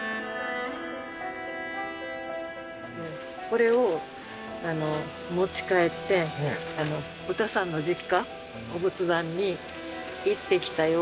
これを持ち帰ってウタさんの実家お仏壇に行ってきたよ